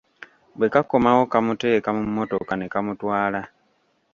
Bwe kakomawo kamuteeka mu mmotoka ne kamutwala.